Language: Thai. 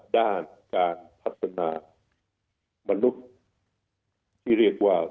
ด้านการพัฒนามนุษย์ที่เรียกว่า